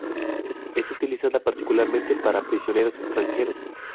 Es utilizada particularmente para prisioneros extranjeros.